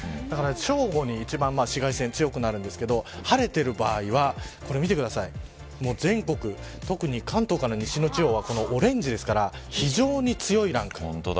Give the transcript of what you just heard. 正午に紫外線強くなるんですけど晴れてる場合は全国、特に関東から西の地方はオレンジですから非常に強いランク。